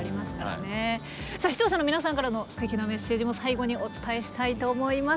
さあ視聴者の皆さんからのすてきなメッセージも最後にお伝えしたいと思います。